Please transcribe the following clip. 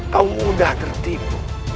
kau mudah tertipu